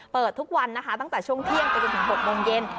เปิดทุกวันนะคะตั้งแต่ช่วงเที่ยงไปจนถึง๖โมงเย็น